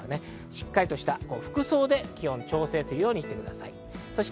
しっかりとした服装で気温を調整するようにしてください。